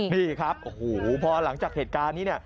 นี่ครับพอหลังจากเหตุการณ์นี้